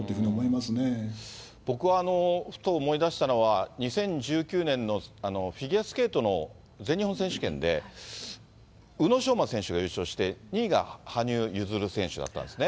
僕は、ふと思い出したのは、２０１９年のフィギュアスケートの全日本選手権で、宇野昌磨選手が優勝して、２位が羽生結弦選手だったんですね。